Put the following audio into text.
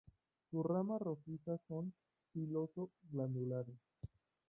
Sus ramas rojizas son piloso-glandulares.